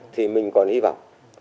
thì mình còn hy vọng